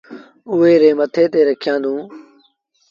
اُئي ري مٿي تي رکيآندونٚ